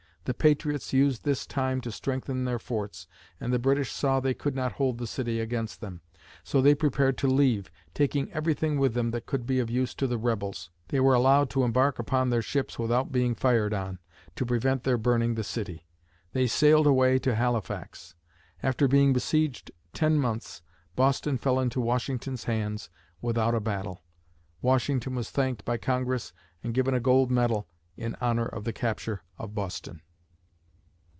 The patriots used this time to strengthen their forts, and the British saw they could not hold the city against them; so they prepared to leave, taking everything with them that could be of use to the "rebels." They were allowed to embark upon their ships without being fired on, to prevent their burning the city. They sailed away to Halifax. After being besieged ten months, Boston fell into Washington's hands without a battle! Washington was thanked by Congress and given a gold medal in honor of the capture of Boston.